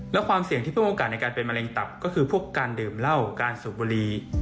แล้วความเสี่ยงที่เพิ่มโอกาสในการเป็นมะเร็งตับก็คือพวกการดื่มเหล้าการสูบบุรี